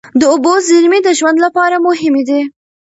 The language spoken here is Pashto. د اوبو زېرمې د ژوند لپاره مهمې دي.